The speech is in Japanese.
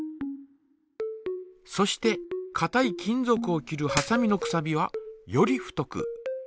そしてかたい金ぞくを切るはさみのくさびはより太く。